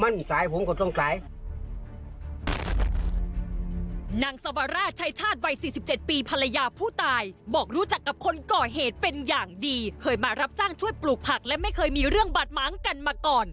นางสาวบาราชใช้ชาติวัย๔๗ปีภรรยาผู้ตายบอกรู้จักกับคนก่อเหตุเป็นอย่างดีเคยมารับจ้างช่วยปลูกผักและไม่เคยมีเรื่องบาดม้างกันมาก่อน